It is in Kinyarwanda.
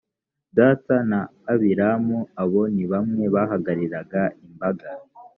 datani na abiramu abo, ni bamwe bahagarariraga imbaga.